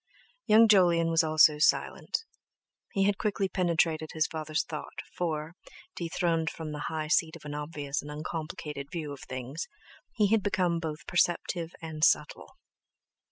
Young Jolyon also was silent; he had quickly penetrated his father's thought, for, dethroned from the high seat of an obvious and uncomplicated view of things, he had become both perceptive and subtle.